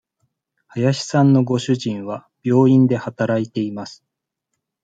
林さんのご主人は病院で働いています。